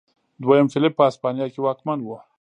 دویم فلیپ په هسپانیا کې واکمن و.